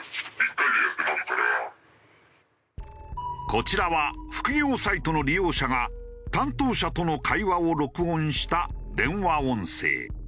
こちらは副業サイトの利用者が担当者との会話を録音した電話音声。